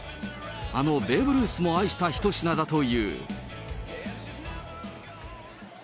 あのベーブ・ルースも愛した一品だという。